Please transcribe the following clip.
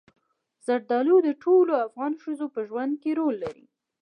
زردالو د ټولو افغان ښځو په ژوند کې رول لري.